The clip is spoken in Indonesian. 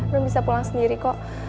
belum bisa pulang sendiri kok